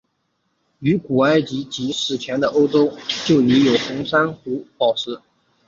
于古埃及及史前的欧洲就已经有红珊瑚宝石。